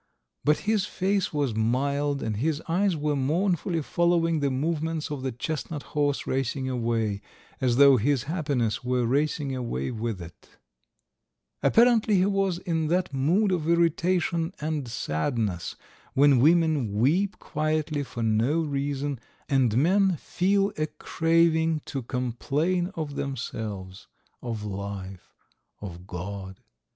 But his face was mild and his eyes were mournfully following the movements of the chestnut horse racing away, as though his happiness were racing away with it. Apparently he was in that mood of irritation and sadness when women weep quietly for no reason, and men feel a craving to complain of themselves, of life, of God.